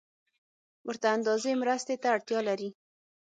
ورته اندازې مرستې ته اړتیا لري